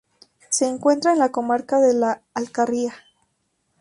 Se encuentra en la comarca de La Alcarria.